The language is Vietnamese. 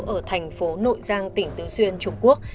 ở thành phố nội giang tỉnh tứ xuyên trung quốc